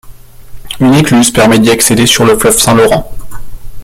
Une écluse permet d'y accéder sur le fleuve Saint-Laurent.